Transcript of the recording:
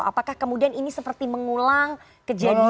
apakah kemudian ini seperti mengulang kejadian seperti twk